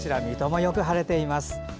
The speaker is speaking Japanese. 水戸もよく晴れています。